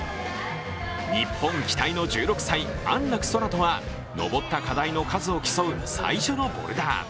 日本期待の１６歳、安楽宙斗は登った課題の数を競う、最初のボルダー。